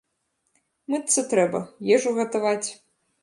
Мыцца трэба, ежу гатаваць.